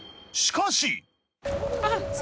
しかし。